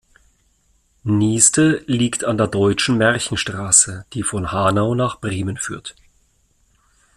Nieste liegt an der Deutschen Märchenstraße, die von Hanau nach Bremen führt.